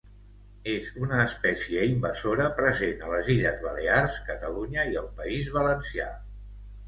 És una espècie invasora present a les illes Balears, Catalunya i el País Valencià.